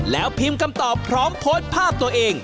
แล้วพิมพ์คำตอบพร้อมโพสต์ภาพตัวเอง